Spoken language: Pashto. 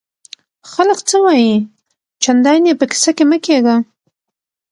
خلک څه وایي؟ چندان ئې په کیسه کي مه کېږه!